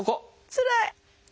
つらい！